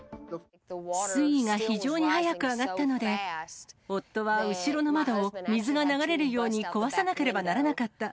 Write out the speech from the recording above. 水位が非常に早く上がったので、夫は後ろの窓を水が流れるように壊さなければならなかった。